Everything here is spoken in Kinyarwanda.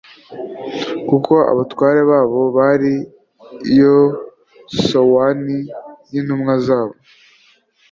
kuko abatware babo bari i sowani n intumwa zabo